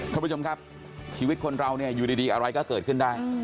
ท่านผู้ชมครับชีวิตคนเราเนี่ยอยู่ดีอะไรก็เกิดขึ้นได้